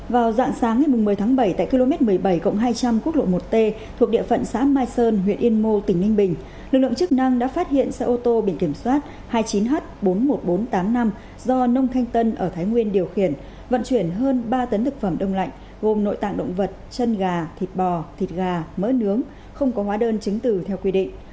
vào dạng sáng ngày một mươi tháng bảy tại km một mươi bảy hai trăm linh quốc lộ một t thuộc địa phận xã mai sơn huyện yên mô tỉnh ninh bình lực lượng chức năng đã phát hiện xe ô tô biển kiểm soát hai mươi chín h bốn mươi một nghìn bốn trăm tám mươi năm do nông khanh tân ở thái nguyên điều khiển vận chuyển hơn ba tấn thực phẩm đông lạnh gồm nội tạng động vật chân gà thịt bò thịt gà mỡ nướng không có hóa đơn chính tử theo quy định